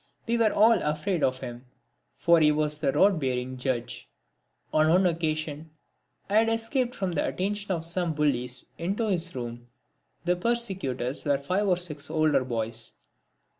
We were all afraid of him, for he was the rod bearing judge. On one occasion I had escaped from the attentions of some bullies into his room. The persecutors were five or six older boys.